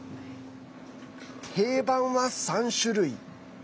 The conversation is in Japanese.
定番は３種類。